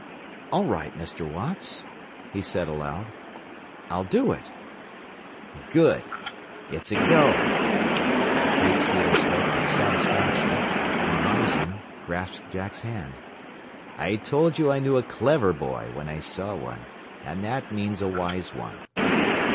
"All right, Mr. Watts," he said aloud. "I'll do it." "Good! It's a go!" The freight stealer spoke with satisfaction, and rising, grasped Jack's hand. "I told you I knew a clever boy when I saw one and that means a wise one.